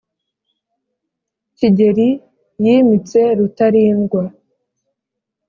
Kigeli yimitse Rutalindwa